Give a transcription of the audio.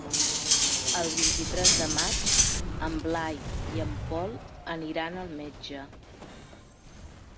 El vint-i-tres de maig en Blai i en Pol aniran al metge.